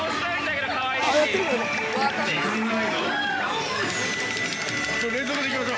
かわいいし。